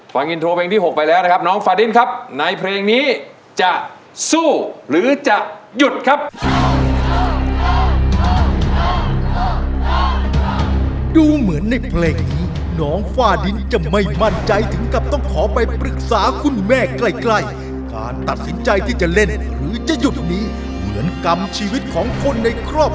ฟังอินโทรเพลงที่๖ไปแล้วนะครับ